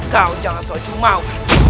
kau jangan soju mau